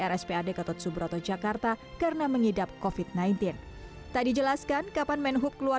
rspad ketut subroto jakarta karena mengidap covid sembilan belas tadi jelaskan kapan men hub keluar